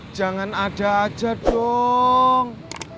jangan ada aja dong